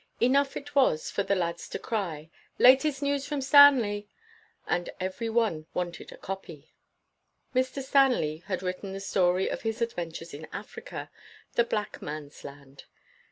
Enough it was for the lads to cry, "Latest news from Stanley," and every one wanted a copy. Mr. Stanley had written the story of his adventures in Africa, the black man's land.